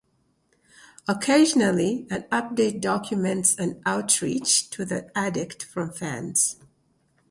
Occasionally, an update documents an outreach to the addict from fans.